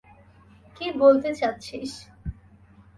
কি বলতে চাচ্ছিস?